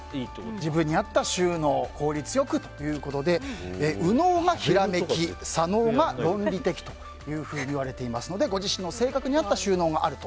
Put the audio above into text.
自分に合った収納を効率良くということで右脳がひらめき、左脳が論理的といわれていますのでご自身の性格に合った収納があると。